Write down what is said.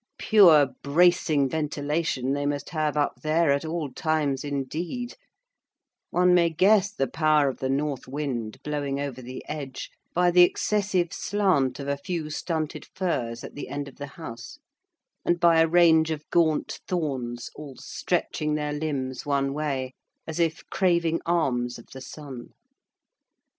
Pure, bracing ventilation they must have up there at all times, indeed: one may guess the power of the north wind, blowing over the edge, by the excessive slant of a few stunted firs at the end of the house; and by a range of gaunt thorns all stretching their limbs one way, as if craving alms of the sun.